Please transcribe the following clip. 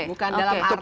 bukan dalam arti